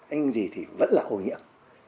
anh gì thì vẫn là ô nhiễm